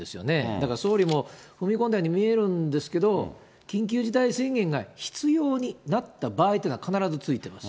だから総理も踏み込んだように見えるんですけど、緊急事態宣言が必要になった場合というのが必ずついてます。